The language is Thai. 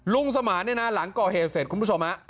สมานเนี่ยนะหลังก่อเหตุเสร็จคุณผู้ชมฮะ